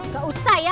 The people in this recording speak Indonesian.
gak usah ya